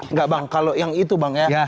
enggak bang kalau yang itu bang ya